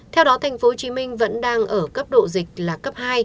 theo đó tp hcm vẫn đang ở cấp độ dịch là cấp hai